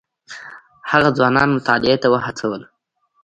هغه ځوانان مطالعې ته وهڅول.